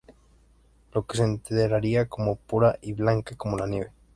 Lo que se entendería como "pura y blanca como la nieve".